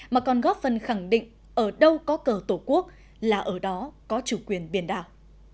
mà còn góp phần khẳng định ở đâu có cờ tổ quốc là ở đó có chủ quyền biển đảo